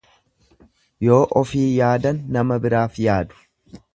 Yoo ofii yaadan nama biraaf yaadu.